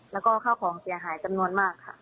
แล้วก็ข้าวของเสียหายจำนวนมากค่ะ